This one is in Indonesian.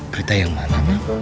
berita yang mana